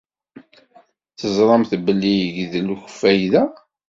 Teẓṛamt belli yegdel ukeyyef da?